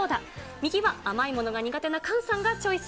右は甘いものが苦手な菅さんがチョイス。